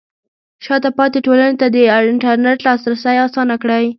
شاته پاتې ټولنې ته د انټرنیټ لاسرسی اسانه کړئ.